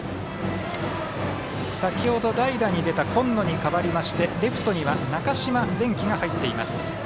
先ほど、代打に出た今野に代わりレフトには中嶋禅京が入っています。